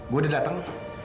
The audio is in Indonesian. gue udah dateng